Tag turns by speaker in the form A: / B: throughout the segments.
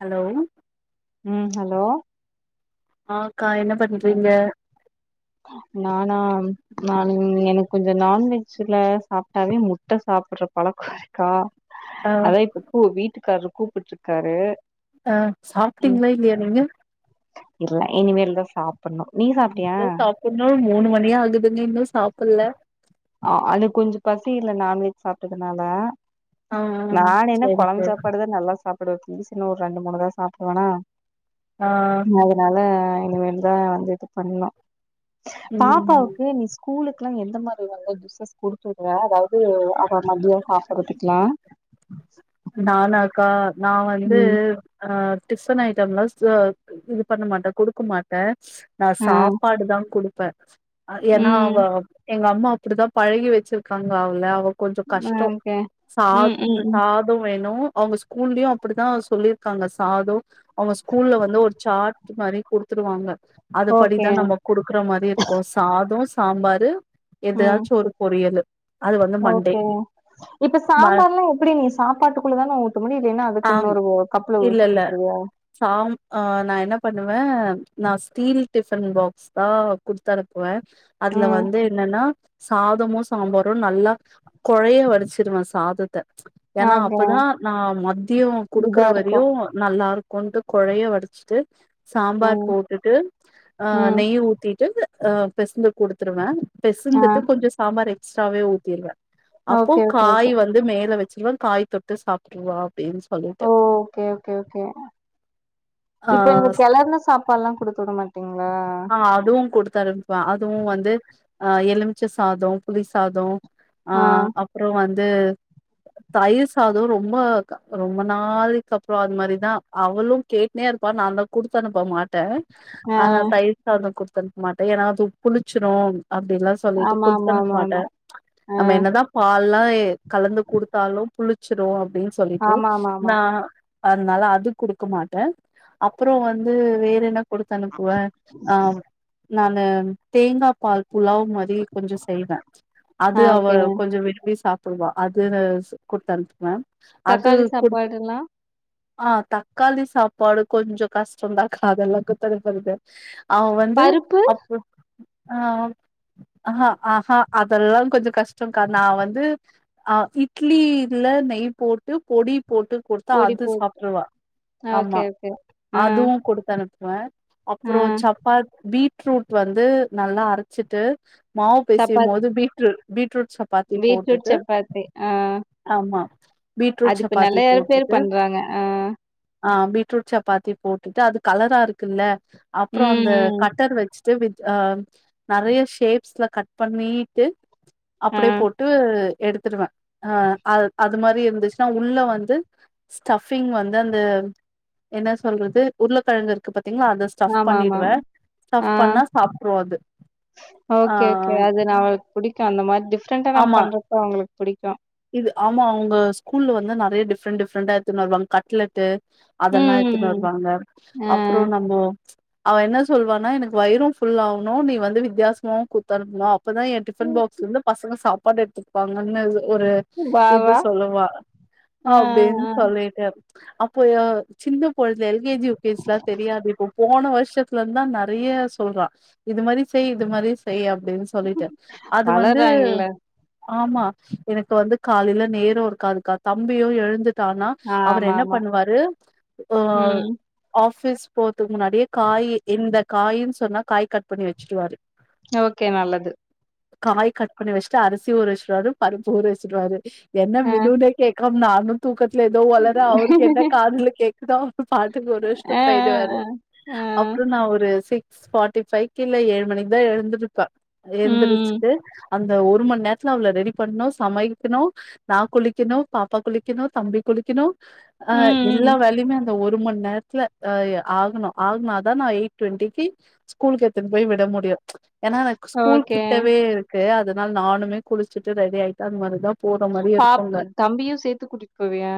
A: Hello
B: ம் hello
A: ஆஹ்
B: நானா நானு எனக் கொஞ்சோ நான்வெஜுல சாப்பிட்டாவே முட்ட சாப்பிடுற பழக்கோ இருக்கா
A: ஆ
B: அதா இப்பப்பு வீட்டுக்கார்ரு கூப்பிட்ருக்காரு
A: அஹ் சாப்பிட்டீங்களா இல்லையா நீங்க
B: இல்ல இனிமேல் தா சாப்
A: [unintelligible] சாப்புட்னு மூணு மணி ஆகுதுங்க இன்னு சாப் புல்ல
B: ஆஹ் அது கொஞ்சோ பசி இல்ல நான்வெஜ் சாப்பிட்டதுனால
A: ஆ ஆ
B: நானு என்ன
A: சரி
B: கொழம்பு
A: சரி
B: சாப்பாடுதா நல்லா சாப் [unintelligible] ஒரு ரெண்டு மூணு வாய் சாப்பட்டுவானா
A: ஆ
B: ம் அதனால இனிமேல்தா வந்து இது பண்ணணு
A: ம்
B: பாப்பாவுக்கு நீ ஸ்கூலு லாம் எந்த மா ஏதாது ஜுஸஸ் குடுத்துடற அதாவது அவ மதியம் சாப்படுறத்துக்கலா
A: நானாக்கா நான் வந்து ஆ டிஃபன் ஐட்டம்லாம் ச இது பண்ண மாட்டே குடுக்க மாட்டே நா
B: ஆ
A: சாப்பாடு தா குடுப் ப்பர் ஏன்னா
B: ம்.
A: அவ எங்க அப் ம்மா அப்டிதா பழகி வெச்சிருக்காங்க அவள அவ கொஞ்சோ கஷ்டோ
B: ஓகே. ம், ம், ம்.
A: [unintelligible] தெனோ அவங்க ஸ்கூல்லயு அப்டிதா சொல்லிருக்காங்க சாதோ அவங்க ஸ்கூல்ல வந்து ஒரு சார்ட் மாரி குடுத்துருவாங்க
B: ஓகே.
A: அதுபடிதா நம்ம குடுக்குற மாரி இருக்கு சாதோ சாம்பாரு
B: ம்.
A: எதாச்சு ஒரு பொரியலு அது வந்து மண்டே
B: ஓகே. இப்ப
A: [unintelligible]
B: சாம்பார்லாம் எப்படி நீ சாப்பாட்டுக்குள்ள தானே உத்த முடியு இதென்னா அதுக்கு
A: ஆம்
B: இன்னொரு கப்புல
A: இல்ல
B: ஊத்திக்
A: இல்ல
B: குடுத்துருவையா.
A: சாம் நா என்ன ஆ நா ஸ்டீல் டிஃபன் பாக்ஸ் தா குடுத்தனுப்புவே அதுல
B: ம்.
A: வந்து என்னன்னா. சாதமு சாம்பாரு நல்லா கொழைய வடுச்சிருவே சாதத்த. ஏன்னா
B: ஓகே.
A: அப்பதா நா மதியம் குடுக்குற
B: இதா
A: வரையு
B: இருக்கும்.
A: நல்லா இரு. கொண்டு கொழைய வடுச்சுட்டு. சாம்பார்
B: ம்.
A: போட்டுட்டு அஹ்
B: ம்.
A: நெய் ஊத்திட்டு. ஆஹ் பெசந்து குடுத்துருவே.
B: ஆ.
A: பெசந்துட்டு கொஞ்சோ சாம்பார எக் ஸர்வே ஊதிருவே. அப்போ
B: ஓகே, ஓகே, ஓகே.
A: காய் வந்து மேல வெ ச்சுருவ காய் தொட்டு சாப்ட்ருவா அப்டின்னு சொல்லிட்டு
B: ஓ ஓகே ஓகே ஓகே
A: ஆ
B: இப்ப நீங்க கெளர்ன சாப்பாட்லா குடுத்து விடமாட்
A: ஆஹ் அதுவு குடுத் அனுப்புவே அதுவு வந்து ஆஹ் எலும்ச்ச சாதோ, புளி சாதோ
B: ஆ.
A: ஆஹ் அப்பறோ வந் து தயிர் சாதோ ரொம்ப க ரொம்ப நாளிக்கு அப்பறோ அது மாரி தா அவளு கேட்ன்னே இருப்பா நா தா குடுத்து அனுப்ப மாட்டே
B: ஆ.
A: ஆனா தய் [unintelligible] குடுத்தனுப் மாட்ட ஏனா அது புளிச்சுரு அப்டிலா சொல்லிட்டு
B: ஆமா, ஆமா,
A: குல்த்தனுப்
B: ஆமா,
A: மாட்டே,
B: ஆமா. ஆ.
A: நம்ம என்ன தா பால்லா கலந்து குடுத்தாலு புளிச்சுரு அப் டின் சொல்லிட்டு
B: ஆமா, ஆமா, ஆமா.
A: நா அத்னால அது குடுக்க மாட்டே, அப்பறோ வந்து வேற என்ன குடுத்தனுப்புவே ஆஹ் நானு தேங்கா பால் புலாவ் மாதிரி கொஞ்சோ செய்வே
B: ஆ
A: அது அவ
B: ஓகே.
A: கொஞ்சோ விரும்பி சாப் புடுவா அது நா ஸ் குட்த்தனுப்வே
B: தக்காளி சாப்பாடுல்லா
A: ஆஹ் தக்காளி சாப்பாடு கொஞ்சோ கஷ்டந்தாக்கா அதெல்லா குத்தனுப்பறது அவ வந்து
B: பருப்பு
A: அப்ப ஆஹ் ஆ, ஆஹ ஹா ஹா அதெல்லா கொஞ்சோ கஷ்டங்க்கா, நா வந்து அஹ் இட்லி இதுல நெய் போட்டு பொடி போட்டு குடுத்தா
B: பொடி
A: அது
B: போட்டு.
A: சாப்ட்டுருவா ஆமா
B: ஓகே, ஓகே. ஆ,
A: அதுவு குடுத்தனு அஹ் அப்பறோ
B: ஆ.
A: சப்பாத் பீ ட்ரூட் வந்து நல்லா அரச்சிட்டு மாவு
B: சப்பாத்
A: பெசயும்போது பீட்ருட் பீட்ருட்
B: பீட்ரூட் சப்பாத்தி ஆஹ்
A: ஆமா பீட்ரூட்
B: அது இப்ப
A: சப்பாத்தி
B: நல்லயா பேரு பண்றாங்க ஆஹ்
A: ஆஹ் பீட்ருட் சப்பாத்தி போட்டுட்டு அது கலரா இருக்குல்ல அப்பறோ
B: ம்,
A: அந்த
B: ம்.
A: கட்டர் வெச்சு [unintelligible] வெச் அ, நறையா ஷேப்ஸ்ல கட் பண்ணிட்டு
B: ஆ.
A: அப்டே போட்டு எடுத்துருவன் ஆஹ் அ அது மாரி இருந்துச்சுன்னா உள்ள வந்து ஸ்டபிங் வந்து அந்த என்ன சொல்றது உருளக்கழங்கு இருக்கு பாத்தீங்களா அத ஸ்டஃப்
B: ஆமா ஆமா
A: பண்ணிடுவே
B: ஆமா
A: ஸ்டஃப்
B: ஆஹ்
A: பண்ணா சாப்ட்ரு அது ஆ
B: ஓகே ஓகே அது நா அவளுக்கு பிடிக்கு அந்த மாரி டிஃப்ரெண்டா நம்
A: ஆமா
B: பண்றப்ப அவங்களுக்கு பிடிக்கு
A: இது ஆமா அவங்க ஸ்கூல்ல வந்து நெறைய டிஃப்ரெண்ட் டிஃப்ரெண்டா எடுத்துன்னு வருவாங்க கட்லெட்டு அதெல்லா எத்துனு
B: ம்,
A: வருவாங்க
B: ம். ஆ.
A: அப்ரோ நம்போ அவ என்ன சொல்வானா எனக்கு வயிரு ஃபுல் ஆவுணும் நீ வந்து வித்தியாசமாவு குத்து அனுப்பனு இப்பதா எ டிபன் பாக்ஸ்லருந்து பசங்க சாப் பாடு எடுத்துப்பாங்கன்னு ஒரு
B: வா,
A: இது
B: வா.
A: சொல்லுவா
B: ஆ,
A: அப்டின்னு
B: ஆ.
A: சொல்லிட்ட அப்போய சின்ன பொழுதே கே ஜி, யூ கே ஜிலா தெரியாது இப்ப போன வரு விஷயத்துல இருந்தா நறையா சொல்றா இது மாரி செய் இது மாரி செய் அப் ப்டின்னு சொல்லிட்ட அது வந்து
B: வளர்றாங்கல்ல.
A: ஆமா எனக்கு வந்து காலையில நேரோ இருக்காதுக்கா தம்பியு எழுந்து டானா அவரு என்ன
B: ஆமாமா.
A: பண்ணுவாரு ஆஹ்
B: ம்.
A: ஆப் பிஸ் போறதுக்கு முன்னாடி காய் இந்த காயின்னு சொன்னா காய் கட் பண்ணி வச்சுடுவாரு
B: ஓகே நல்லது
A: காய் கட்பண்ணி வச்சிட்டு அரிசி ஊர வச்சிடுவாரு பருப்பு ஊர வச் சிடுவாரு என்ன
B: ஆ.
A: மெனுனே கேக் அப் நானு தூக்கத் துல ஏதோ ஒளர அவருக்கு என்ன காதுல கேக்குதோ அவ பாட்டுக்கு ஊரவச்சிட்டு
B: ஆ, ஆ,
A: போயிடுவாரு
B: ஆ. ஆ.
A: அப்ரோ நா ஒரு செ ஸ்பாட்டிஃபைக்கு இல்ல ஏழு மணிக்தா எழுந்திருப்ப
B: ம், ம்.
A: ஏந்துருச்சுட்டு அந்த ஒரு மண்நேரத்துல அவங்ள ரெடி பண்ணு சமைக் ணு நா குளிக்கிணு பாப்பா குளிக்கிணு தம்பி குளிக்கிணு ஆஹ்
B: ம்,
A: எல்லா
B: ம்.
A: வேலைய்மே அ ந்த ஒரு மண்நேரத்ல ஆகணு ஆகனாதா நான் எயிட் டுவெண்டிக்கு ஸ்கூலுக்கு எத்துன் போய் விட முடியு ஏன்னா எனக்கு ஸ்கூல்
B: ஓகே.
A: கிட்டவே இருக் ன்டு அதுனால நானுமே குளிச்சுட்டு ரெடி ஆயிட்டு அது மாரிதா போற மாரி
B: பா
A: இருக்குங்க
B: தம்பியு சேத்து கூட்டிட் போவியா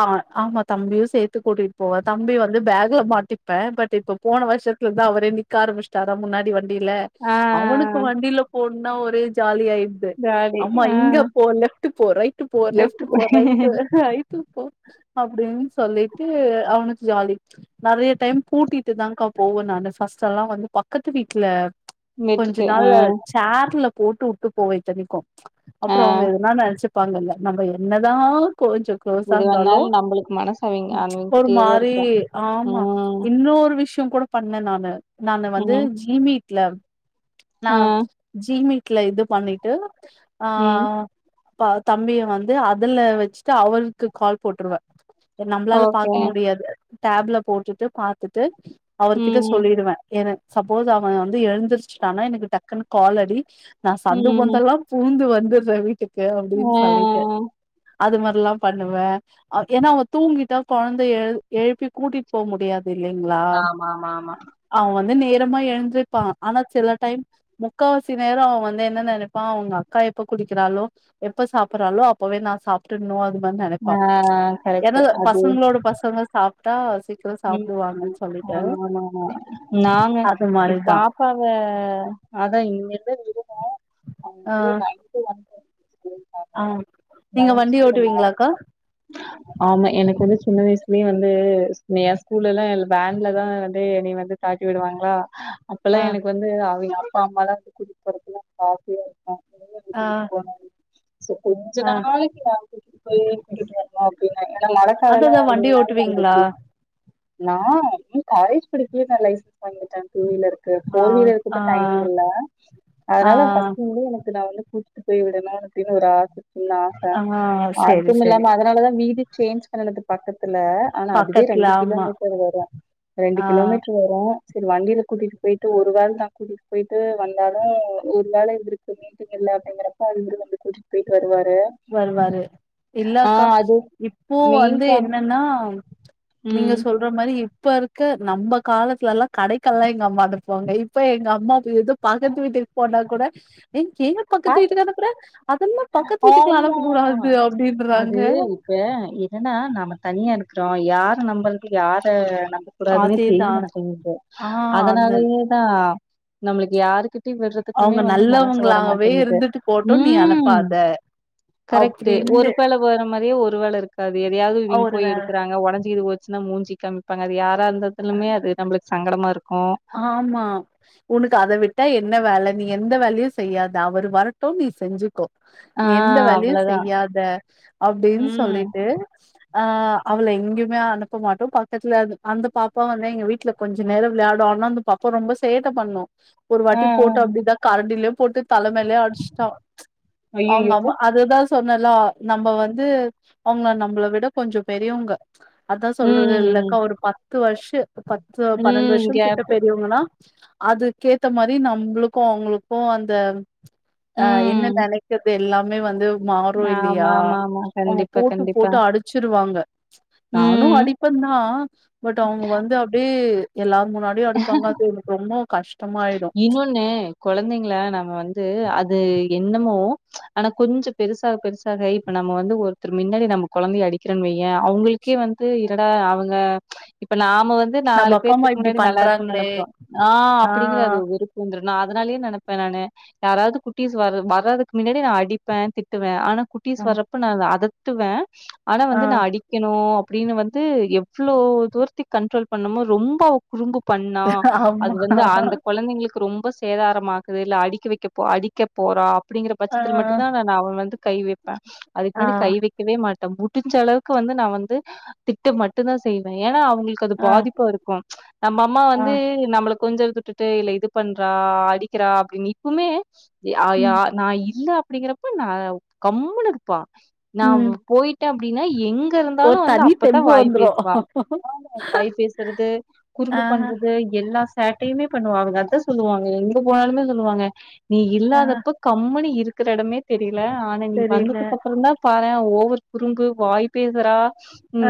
A: ஆ ஆமா தம்பியு சேத்து கூட்டிட் போவ தம்பி வந்து பேக்ல மாட்டிப்பே பட் இப்ப போன வருஷத்துலந்தா அவரே நிக்க ஆரம்பிச்டாரா முன்னாடி வண் டில
B: ஆ, ஆ, ஆ.
A: அவுனுக்கு வண்டில போ இன்னு ஒரே ஜாலி ஆயிட் து
B: ஜாலி
A: அம்மா
B: ஆ
A: இங்க போங்க லே போ ரைட் போ லெஃப்ட் போ ரைட் ஆ ரைட்டு போ அப்படின் சொல்லிட்டு அவனுக்கு ஜாலி நறைய டைம் கூட்டிட்டுதான்க்கா போவ நானு ஃபர்ஸ்ட்டல்லா வந்து பக்கத்து வீட்ல கொஞ்சோ
B: விட்டுட்டு
A: நாள்
B: ஆ
A: சேர்ல போட்டு வுட்டு போவ இத்தனிக்கு
B: ஆ
A: அப்றோ அவுங்க எதுனான னச்சுப்பாங்கல்ல நம்ம என்னதா கொஞ்சோ க்ளோஸா
B: இது
A: இருந்தாலு
B: வேணாலு நம்மளுக்கு மனசு அவிங்க
A: ச் ஒரு
B: அவிங்கிட்டயே தா
A: மாரி
B: இருக்கு
A: ஆமா
B: ம்
A: இன்னோரு விஷ் [unintelligible] கூட பண்ணே நானு நானு வந்து
B: ம்
A: ஜீமீ [unintelligible] நா
B: ஆ
A: ஜீமீ ட்ல இது பண்ணிட்டு ஆ
B: ம்
A: பா தம்பிய வந்து அதுல வச்சுட்டு அவருக்கு கால் போட்டுருவ நம்பளால
B: ஓகே
A: பாக்க முடியாது டேப்ல போட்டுட்டு பாத்துட்டு அவர்கிட்ட
B: ம்
A: சொல்லிடுவே என சப்போஸ் அவ வந்து எழுந்திருச்டான்னா எனக்கு டக்குன்னு கால் அடி நா சந்து
B: ம்
A: பொந்தெல்லா பூந்து வந்து [unintelligible] [inaudible]
B: ஆ
A: அப்டினு சொல்லிட்டு அது மாரிலா பண்ணுவ அ ஏன்னா அவங்க தூங்கிட்டா கொழந்த எழு எழுப்பி கூட்டிட்டு போ முடியாது இல்லைங்ளா
B: ஆமாமாமா
A: அவ வந்து வந்து நேரமா எழுந்திருப்பா ஆனா சில டைம் முக்காவாசி நேரோ அவ வந்து என்ன நெனைப்பா அவங்க அக்கா எப்ப குடிக்கிறாலோ எப்ப சாப்புட்றாலோ அப்பவே நா சாப்ட்டுண்ணு அது வந்து நெனைப்பா
B: ஆ
A: ம்ச் ஏனா
B: கரெக்ட் அது
A: பசங்களோட பசங்க சாப் டா சி
B: ம் ஆம்மாமாமா நாங்க
A: அது
B: இ
A: மாரிதா
B: பாப்பாவ அதா இங்க நா
A: ஆ
B: அன்னக்கி நைட் வந்து
A: ஆ நீங்க வண்டி
B: வந்து
A: ஓட்டுவீங்ளாக்கா
B: ஆமா எனக்கு வந்து சின்ன வயசுலயே வந்து என் ஸ்கூல்ல லா வன்ல தா வந்து என்னைய வந்து தாட்டி விடுவாங்களா அப்பல்லா
A: ஆ
B: எனக்கு வந்து அவிங் அப்பா அம்மாலா கூட்டிட்டு போறதுக்கு எனக்கு ஆசயா இருக்கு
A: ஆ
B: சோ கொஞ்ச
A: ஆ
B: நாளைக்கி கூட்டிட்டு போயி கூட்டிட்டு வரனு அப்டினு ஏன்னா மழக்காலம்லா
A: அததா வண்டி
B: வந்துனா நம்ம
A: ஓட்டுவீங்களா
B: எப்டி நா ம் காலேஜ் படிக்கயிலே நா லைசன்ஸ் வாங்கிட்டே டூ வீலர் க்கு
A: ஆ
B: ஃபோர் வீலர்க்கு
A: ஆ
B: இப்ப டைம் இல்ல
A: ஆ
B: அதனால ஃபஸ்ட் முன்னடியே எனக்கு நா வந்து கூட்டிட்டு போய்விடனு அப்டின்னு ஒரு ஆச சின்ன ஆச
A: ஆ சேரி சேரி
B: அதுமில்லாம அதனாலதா வீடு சேஞ்ச் பண்ணுனது பக்கத் துல ஆனா அதுவே
A: பக்கத்துல
B: ரெண்டு
A: ஆமா
B: கிலோமீட்டர் வரு ரெண்டு
A: ஆ
B: கிலோமீட்டர் வரு சேரி வண்டில கூட்டிட்டு பெயிட்டு ஒரு வேள நா கூட்டிட்டு பெயிட்டு வந்தாலு ஒரு வேள இவருக்கு மீட்டிங் இல்ல அப்டிங்றப்ப இவரு வந்து கூட்டிட்டு பெயிட்டு வருவாரு
A: வருவாரு இல்ல
B: ஆ
A: அக்கா
B: அது
A: இப்போ
B: மெயின்
A: வந்து
B: கேம்
A: என்னன்னா நீங்க
B: ம்
A: சொல்ற மாரி இப்ப இருக்க நம்ம காலத்துல லா கடைக்கெல்லா எங்க அம்மா அனுப்புவாங்க இப்ப எங்க அம்மா எதோ பக்கத்து வீட்டுக்கு போனா கூட ஏ ஏ பக்கத்து
B: பாத்
A: வீட்டுக்கு அனுப்புற அதெல்லா பக்கத்
B: ஆமா அது இப்ப என்னன்னா ந நம்ம தனியா இருக்கிறோம் யார நம்றது யார நடக்க கூடாதுன்னே
A: அதேதா
B: தெரியது எனக்கு
A: ஆ அது
B: அதனாலயே தான் நம்மளுக்கு யாருக்கூ வெட்டி விடுறதுக்குமே
A: அவங்க
B: வந்து மனசு
A: நல்லவங்களாவே
B: வரமாட்டேங்குது
A: இருந்துட்டு போட்டு நீ
B: உம்
A: அனுப்பாத
B: கரெக்ட்டு ஒரு
A: அப்டின்ட்டு
B: பேல போற மாரியே ஒரு வேல இருக் அது எதாயவது இங்க
A: ஒரு
B: போய் எடுக்கறங்க உடஞ்சுக்குது போச்சுானா மூஞ்சி கம்மிப்பாங்கா யார் ந்திலுமே அது நம்பளுக்கு சங்கடமா இருக்
A: ஆமா உனக்கு அத விட்டா எ என்ன வேல நீ எந்த வேலயும் செய்யாத அவர் வரட்டும் நீ செஞ்சுக்கோ
B: ஆ
A: எந்த வேலயும்
B: அவ்ளதான்.
A: செய்யாத அப்டின்னு
B: ம்.
A: சொல்லிட்டு ஆ அவள எங்கேயுமே அனுப்ப மாட்டோம் பக்கத்துல அந்த பாப்பா வந்து எங்க வீட்டுல கொஞ்ச நேரம் விளையாட ஒண்ணா வந்து பாப்பா ரொம்ப சேட்ட பண்ணும் ஒரு
B: ஆ,
A: வாட்டி
B: ஆ.
A: போட்டோம் அப்டிதான் கரண்டிலயும் போட்டுத்து தலமேலயே அடிச்ட்டா ச்
B: ஐயய்யோ!
A: அவங்கமா அதுதான் சொன்னலா நம்ம வந்து அவங்க நம்பள விட கொஞ்சம் பெரியவங்க அதான்
B: ம்,
A: சொல்றது
B: ம்,
A: இல்லக்கா
B: ம்.
A: ஒரு பத்து பத்து வருஷம் பத்து பன்னெண்டு
B: ம்
A: வருஷம்
B: கேப்பு.
A: பெரியவங்கண்ணா அதுக்கேத்த மாரி நம்புளுக்கும் அவங்களுக்கும் அந்த அ என்ன
B: ம்.
A: நெனக்குது எல்லாம் மை வந்து மாறு இல்லையா
B: ஆமாமாமா.
A: அவங்க
B: கண்டிப்பா,
A: போட்டு
B: கண்டிப்பா.
A: போட்டு அடிச்சிருவாங்க ப்ச் நானு
B: ம்.
A: அடிப்ப தான் பட் அவுங்க வந்து அப்டியே எல்லார் முன டியே அடிப்பாங்க அது எனக்கு ரொம்ப கஷ்
B: இன்னொன்னு குழந்தைங்கள நம்ம வந்து அது என்னமோ ஆனா கொஞ்ச பெருசாக பெருசாக இப்ப நம்ம வந்து ஒருத்தர் மின்னடி நம்ம குழந்தைய அடிக்கிறன்னு வையேன் அவங்களுக்கே வந்து இன்னடா அவங்க இப்ப நான் நம்ம வந்து
A: நம்ம
B: நாலு
A: அப்பா, அம்மா
B: பேத்துக்கு
A: இப்டி
B: முன்னாடி நல்லா இருக்குனுனு
A: பண்றாங்களே!
B: நினைப்போம் ஆ [unintelligible] அப்டிங்ற அது ஒரு வெறுப்பு வந்துறு அதனாலயே நெனப்பேன் நானு யாராவது குட்டிஸ் வர்ர வர்ரதுக்கு முன்னாடி நான் அடிப்பேன் திட்டுவேன் ஆனா
A: அ,
B: குட்டிஸ் வரப்ப ந அத த்துவ ஆனா
A: ஆ,
B: வந்து நான் அடிக்கணூ அப்டின்னு வந்து எவ்ளோ தூரத்தி கண்ட்ரோல் பண்ணமோ ரொம்ப அவ குறும்பு பண்ணா
A: ஆமா.
B: அது வந்து ஆ உங்களுக்கு ரொம்ப சேதாரம் ஆகுது இல்ல அடிக்க வைக்க அடிக்க போற அப்படிங்கிற
A: ஆ,
B: பட்சத்தில மட்டும்தா நா அவன் வந்து கை வ அதுக்கு
A: ஆ,
B: முன்னாடி கை வைக்கவே மாட் ட்ட முடுஞ்ச அளவுக்கு வந்து நா வந்து திட்ட மட்டு தா செய்வ ஏன்னா அவங்களுக்கு அது
A: ஆ,
B: பாதிப்பு இருக்கும் நம்ம அம்மா
A: ஆ,
B: வந்து நம்மளுக்கு கொஞ்சல் தட்டு இல்ல இது பண்றா அடிக்கிறா அப்படின் இப்பமே அயா
A: ம்,
B: நா இல்லப் அப்படிங்கிறப்ப நா கம்மனு இருப்பா நான்
A: ம்.
B: போயி அப்படின்னா எங்க எங்க
A: ஒரு
B: இருந்தாலும் வந்து
A: தனி
B: அப்பதான்
A: தெம்பு
B: வாய்
A: வந்துரும்.
B: பேசுவா ஆமா வாய் பேசுறது
A: ஆ,
B: குறும்பு பண்றது எல்லா செட்டயுமே பண்ணுவாங்க அதா சொல்லுவாங்க எங்க போனாலுமே சொல்லுவாங்க நீ
A: ஆ,
B: இல்லாதப்ப கம்முனு இருக் இருக்கடமே தெரியு ஆனா நீ
A: தெரியல.
B: வந்ததுக்கு அப்ரோ தா பாறே ஓவர் குறும்பு வாய் பேசுரா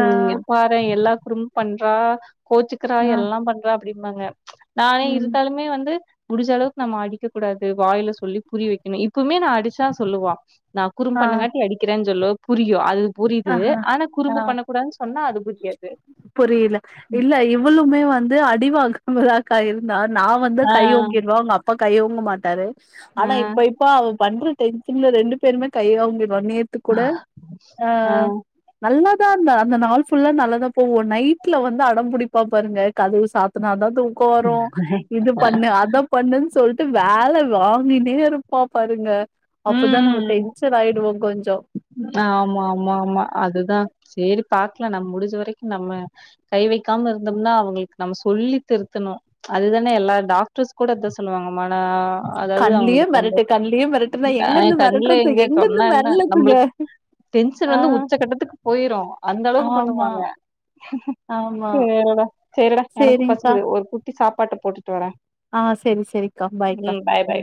A: ஆ,
B: பாரே எல்லா குடும்பும் பண்ண ஆஹ் கோச்சுக்கிறா
A: ஆ,
B: எல்லா பண்றா அப்படி மாங்க நானே
A: ம்,
B: இருந்தாலுமே வந்து முடிஞ்ச அளவுக்கு நம்ம அடிக்க கூடாது. வாயில சொல்லி புரிய வைக்கணு. இப்ப இப்பவுமே நா அடுச்சா சொல்லுவா நா
A: ஆ.
B: குறுபண்ணங்காட்டி அடிக்கிறேன்னு சொல்லுவ் புரியு அது புரியுது
A: ஆஹா
B: ஆனா
A: ஆ
B: குறும்பு பண்ணக்க கூடாது சொன்னா அது புரியாது
A: புரியல அடிவாங்குமாதக்கா இருந்தா நா வந்து
B: ஆ
A: கை ஓங்கிருவே அவுங் அப் ப்பா கை ஓங்கு மாட்டாரு
B: ஆ
A: ஆனா இப்ப இப்ப அவு பண்று டென்ஷன்ல ரெண்டு பேருமே கை ஓங்கி ரோ நேத்து கூட அஹா
B: ஆ
A: நல்ல ந்தா அந்த நாள் ஃபுல்லா நல்லதா போவோ நைட்ல வந்து அடம்பிடிப்பா பாருங்க கதுவு சாத்துனதா தூக்க வரு இது பண்ணு அத பண்ணுன் சொல் ட்டு வேல வாங்கினேயிருப்பா பாருங்க அப்பதா நம்ம டென்சன் ஆயிடுவோங் கொஞ்சோ
B: ப்ச் ஆம் ஆமா ஆமாம்மா அதுதா சேரி பாக்குலா நம்ம முடிஞ்ச வரைக்கு நம்ம கை வைக்காம இருந்தோம்னா அவுங்களுக் நம்ம சொல்லி திருத்தணு அதுதானே எல்லா டாக்டர்ஸ் கூட இத சொல்லுவாங்க அதாவது
A: கண்லியு
B: அவங்களுக்கு வந்து
A: மிரட்டு கண்லியு மிரட்டுனா
B: அ
A: எங்கிந்து
B: கண்ல
A: மிரட்டுறது
B: எங்க
A: எங்கிந்து
B: சொன்னா என்ன நம்ம
A: மெரலுதுக
B: டென்ஷன் வந்து உச்ச கட்டத்துக்கு போயிரு அந்த அளவுக்கு
A: ஆமா
B: பண்ணுவாங்க
A: ஆமா
B: சேருடா சேரிடா எனக்கு பசிக்கிது ஒரு குட்டி சாப்பாட்ட போட்டுட்டு வர்ர
A: ஆஹ சேரி சேரிக்கா பாய்க்கா
B: பாய்